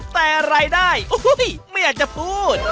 แต่รายได้ไม่อยากจะพูด